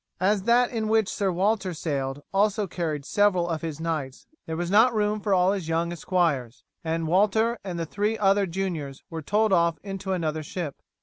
As that in which Sir Walter sailed also carried several of his knights there was not room for all his young esquires, and Walter and the three other juniors were told off into another ship.